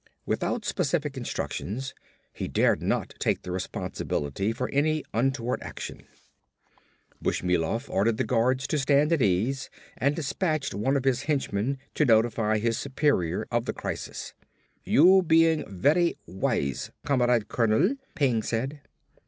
Without specific instructions he dared not take the responsibility for any untoward action. Bushmilov ordered the guards to stand at ease and dispatched one of his henchmen to notify his superior of the crisis. "You being very wise, Comrade Colonel," Peng said.